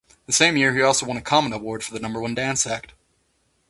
The same year he also won a Comet Award for the number-one Dance Act.